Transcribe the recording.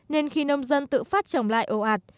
nên khi nông dân tự phát trồng lại ồ ạt